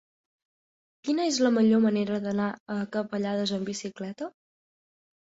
Quina és la millor manera d'anar a Capellades amb bicicleta?